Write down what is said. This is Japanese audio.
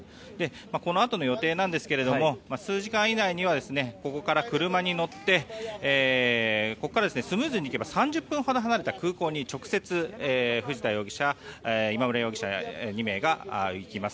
このあとの予定なんですが数時間以内にはここから車に乗ってスムーズにいけば３０分ほど離れた空港に直接藤田容疑者、今村容疑者２名が行きます。